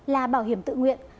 là bảo hiểm tự nguyện